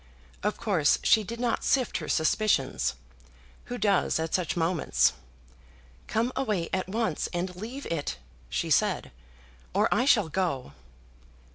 Of course, she did not sift her suspicions. Who does at such moments? "Come away at once, and leave it," she said, "or I shall go."